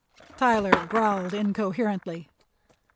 Tyler growled incoherently.